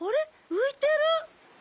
浮いてる。